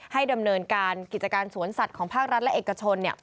ดำเนินการกิจการสวนสัตว์ของภาครัฐและเอกชน